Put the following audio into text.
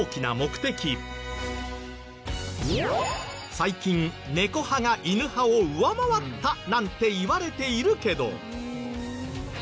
最近猫派が犬派を上回ったなんていわれているけど。